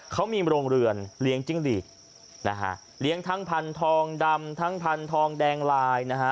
เขามีโรงเรือนเลี้ยงจิ้งหลีกนะฮะเลี้ยงทั้งพันธองดำทั้งพันธองแดงลายนะฮะ